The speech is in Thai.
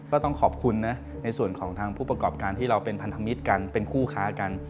ก็ต้องขอบคุณนะในส่วนของทางผู้ประกอบการที่เราเป็นพันธมิตรกันเป็นคู่ค้ากัน